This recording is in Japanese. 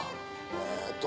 えーっと。